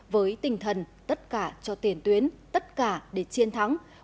với tinh thần tất cả cho tiền tuyến tất cả để chiến thắng